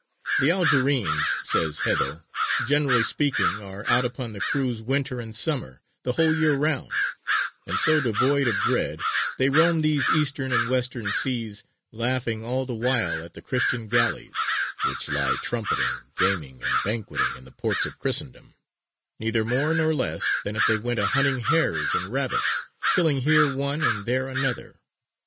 "The Algerines," says Haedo, "generally speaking, are out upon the cruise winter and summer, the whole year round; and so devoid of dread they roam these eastern and western seas, laughing all the while at the Christian galleys (which lie trumpetting, gaming, and banqueting in the ports of Christendom), neither more nor less than if they went a hunting hares and rabbits, killing here one and there another.